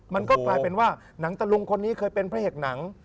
มันก็กลายเป็นว่าหนังตะลุงคนนี้เคยเป็นพระเอกหนัง